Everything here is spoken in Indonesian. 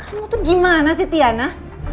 kamu tuh gimana sih tiana